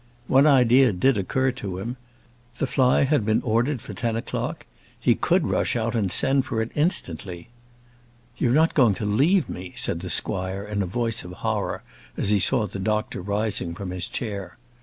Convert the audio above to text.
One idea did occur to him. The fly had been ordered for ten o'clock. He could rush out and send for it instantly. "You're not going to leave me?" said the squire, in a voice of horror, as he saw the doctor rising from his chair.